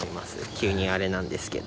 急にあれなんですけど。